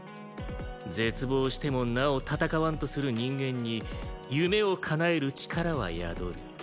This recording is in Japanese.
絶望してもなお戦わんとする人間に夢をかなえる力は宿る。